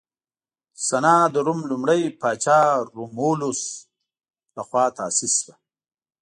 سنا د روم لومړي پاچا رومولوس لخوا تاسیس شوه